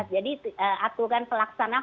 jadi aturan pelaksanaan